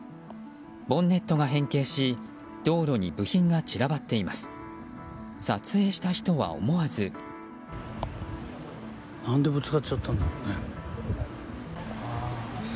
ボンネットが変形し道路に部品が散らばっています。